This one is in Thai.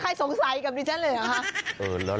สงสัยกับดิฉันเลยเหรอคะ